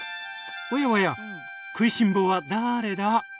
おやおや食いしん坊はだれだ？